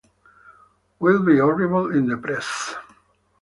Will be horrible in the press.